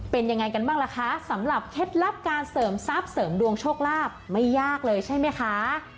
เป็นยังไงกันบ้างล่ะคะสำหรับเคล็ดลับการเสริมทรัพย์เสริมดวงโชคลาภไม่ยากเลยใช่ไหมคะ